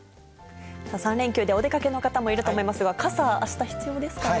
３連休でお出かけの方もいると思いますが、傘はあした必要ですかね。